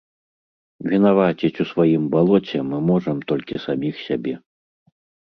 Вінаваціць у сваім балоце мы можам толькі саміх сябе.